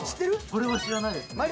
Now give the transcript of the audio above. これは知らないですね